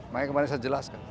makanya kemarin saya jelaskan